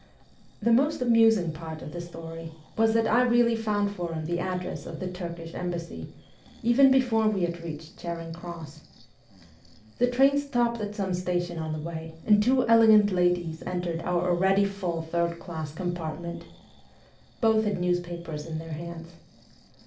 The most amusing part of the story was that I really found for him the address of the Turkish embassy, even before we had reached Charing Cross. The train stopped at some station on the way, and two elegant ladies entered our already full third class com VOL. II. U 290 MEMOIRS OF A REVOLUTIONIST partment. Both had newspapers in their hands.